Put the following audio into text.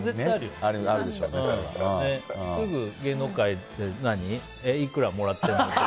すぐ、芸能界でいくらもらってるの？とか。